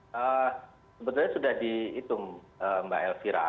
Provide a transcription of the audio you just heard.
sebetulnya sudah dihitung mbak elvira